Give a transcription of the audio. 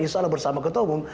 insya allah bersama ketua umum